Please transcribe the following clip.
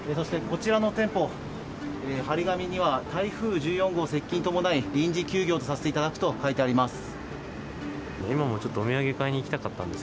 こちらの店舗、貼り紙には台風１４号接近に伴い臨時休業とさせていただくと書いてあります。